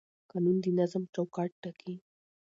قانون د نظم چوکاټ ټاکي